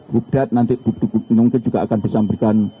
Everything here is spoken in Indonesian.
bukdat nanti mungkin juga akan bisa memberikan